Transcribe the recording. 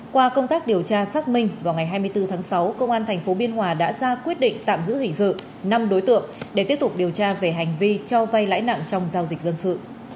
qua công tác điều tra xác minh vào ngày hai mươi bốn tháng sáu công an tp biên hòa đã ra quyết định tạm giữ hình sự năm đối tượng để tiếp tục điều tra về hành vi cho vay lãi nặng trong giao dịch dân sự